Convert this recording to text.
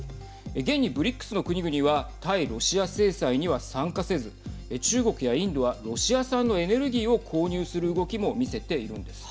現に、ＢＲＩＣＳの国々は対ロシア制裁には参加せず中国やインドは、ロシア産のエネルギーを購入する動きも見せているんです。